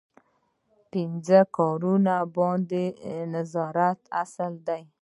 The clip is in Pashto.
پنځم په کارونو باندې د نظارت اصل دی.